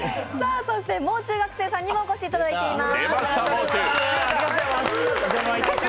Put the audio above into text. そしてもう中学生さんにもお越しいただいています。